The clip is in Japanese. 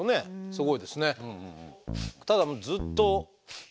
すごいですね。